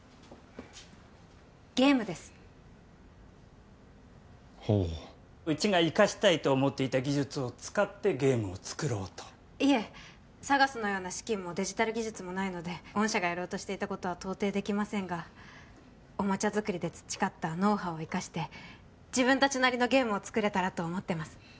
ゲームですほううちが生かしたいと思っていた技術を使ってゲームを作ろうといえＳＡＧＡＳのような資金もデジタル技術もないので御社がやろうとしていたことは到底できませんがおもちゃ作りで培ったノウハウを生かして自分達なりのゲームを作れたらと思ってます